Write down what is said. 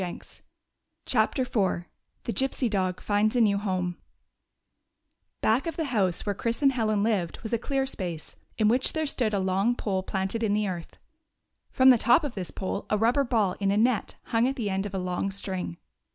44 CHAPTER IV THE GYPSY DOG FINDS A NEW HOME B ACK of the house where Chris and Helen lived was a clear space, in which there stood a long pole planted in the earth. From the top of this pole a rubber ball in a net hung at the end of a long string.